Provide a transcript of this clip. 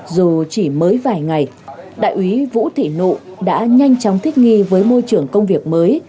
dù chỉ mới vài ngày đại úy vũ thị nụ đã nhanh chóng thích nghi với môi trường công việc mới